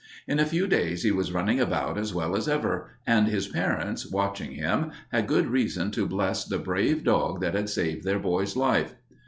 In a few days he was running about as well as ever, and his parents, watching him, had good reason to bless the brave dog that had saved their boy's life.